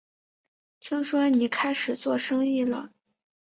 听说你开始做生意了